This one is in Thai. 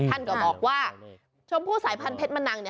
ท่านก็บอกว่าชมพู่สายพันธุเพชรมะนัง